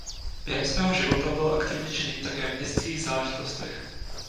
Během svého života byl aktivně činný také v městských záležitostech.